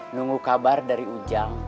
nunggu kabar dari ujang